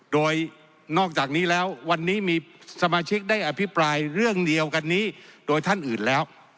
โดยนอกจากนี้แล้ววันนี้มีสมาชิกได้อภิปรายเรื่องเดียวกันนี้โดยท่านอื่นแล้ว